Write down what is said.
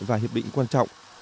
và hiệp định quan trọng